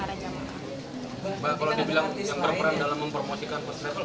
kalau dibilang yang terperan dalam mempromosikan post travel